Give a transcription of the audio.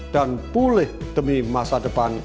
dan pulih demi masa depan